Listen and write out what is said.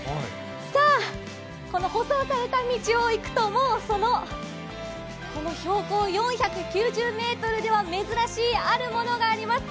さあ、この舗装された道を行くともう、標高４９０ｍでは珍しいあるものがあります。